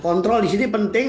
kontrol disini penting